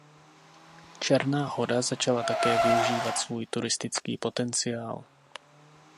Černá Hora začala také využívat svůj turistický potenciál.